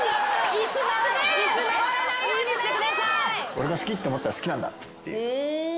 俺が好きって思ったら好きなんだっていう。